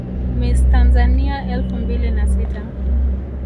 Miss Tanzania elfu mbili na sita